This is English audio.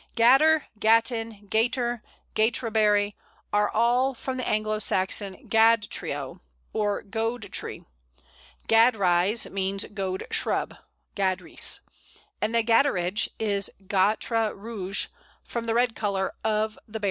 Gatter, Gatten, Gaiter, Gaitre berry, are all from the Anglo Saxon Gad treow, or goad tree; Gadrise means Goad shrub (Gad riis), and Gatteridge is gaitre rouge, from the red colour of the bare twigs.